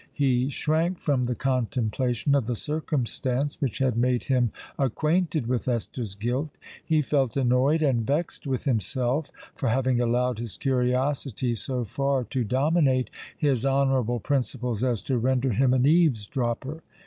He shrank from the contemplation of the circumstance which had made him acquainted with Esther's guilt: he felt annoyed and vexed with himself for having allowed his curiosity so far to dominate his honourable principles as to render him an eaves dropper.